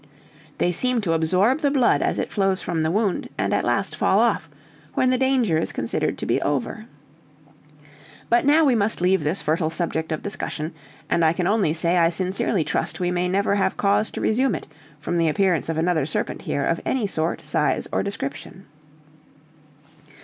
They seem to absorb the blood as it flows from the wound, and at last fall off, when the danger is considered to be over. "But now we must leave this fertile subject of discussion, and I can only say I sincerely trust we may never have cause to resume it from the appearance of another serpent here of any sort, size, or description.